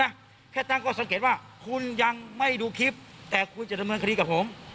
แค่ตั้งข้อสังเกตว่าคุณยังไม่ดูคลิปแต่คุณจะดำเนินคดีกับผม